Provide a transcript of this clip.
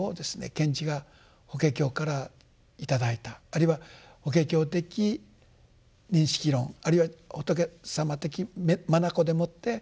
賢治が「法華経」から頂いたあるいは法華経的認識論あるいは仏様的眼でもって万物を見ようとする力。